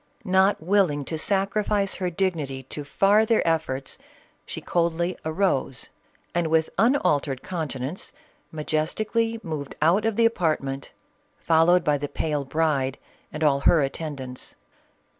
Not willing to sacrifice her dignity to farther efforts, she coldly arose and with unaltered countenance, ma jestically moved out of the apartment, followed by the pale bride and all her attendants.